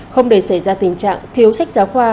không để xảy ra tình trạng thiếu sách giáo khoa